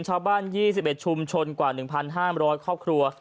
ชาวบ้านยี่สิบเอ็ดชุมชนกว่าหนึ่งพันห้ามร้อยครอบครัว